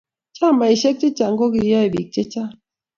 chameshek chechang kogiyae biik chechang